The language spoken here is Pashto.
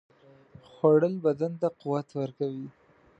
خوړل بدن ته قوت ورکوي